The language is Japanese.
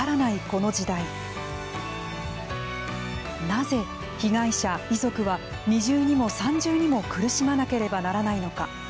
なぜ、被害者・遺族は二重にも三重にも苦しまなければならないのか。